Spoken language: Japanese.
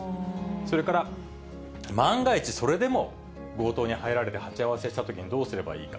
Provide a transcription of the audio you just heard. それから、万が一、それでも強盗に入られて鉢合わせしたときにどうすればいいか。